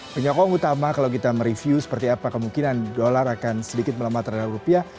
penyokong utama kalau kita mereview seperti apa kemungkinan dolar akan sedikit melemah terhadap rupiah